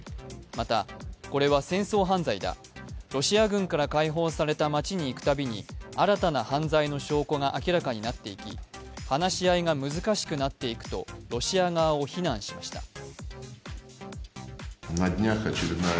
また、これは戦争犯罪だ、ロシア軍から解放された街に行くたびに新たな犯罪の証拠が明らかになっていき、話し合いが難しくなっていくとロシア側を非難しました。